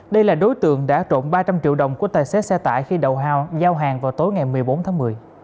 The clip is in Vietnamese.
đây là đối tượng đã trộn ba trăm linh triệu đồng của tài xế xe tải khi đầu hao giao hàng vào tối ngày một mươi bốn tháng một mươi